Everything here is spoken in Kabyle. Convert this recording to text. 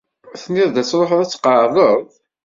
Tenniḍ-d ad tṛuḥeḍ ad t-tqeɛdeḍ.